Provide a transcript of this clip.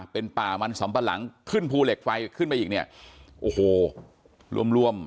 เป็นป่ามันสำปะหลังขึ้นภูเหล็กไฟขึ้นไปอีกเนี่ยโอ้โหรวมรวม